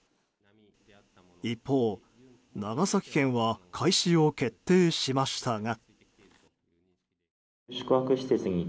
一方、長崎県は開始を決定しましたが。